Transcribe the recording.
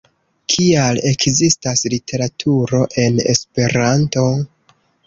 Kial ekzistas literaturo en Esperanto?